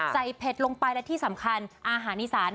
เผ็ดลงไปและที่สำคัญอาหารอีสาน